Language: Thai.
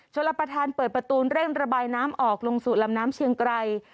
รับประทานเปิดประตูเร่งระบายน้ำออกลงสู่ลำน้ำเชียงไกร